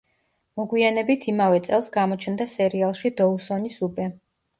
მოგვიანებით იმავე წელს, გამოჩნდა სერიალში „დოუსონის უბე“.